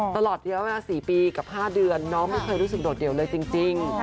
ตลอดเยอะ๔ปีกับ๕เดือนน้องไม่เคยรู้สึกโดดเดี่ยวเลยจริง